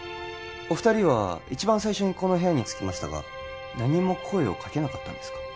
お二人は一番最初にこの部屋に着きましたが何も声をかけなかったんですか？